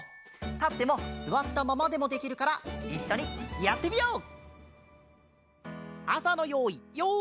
たってもすわったままでもできるからいっしょにやってみよう！